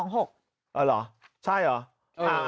อ๋อเหรอใช่เหรอ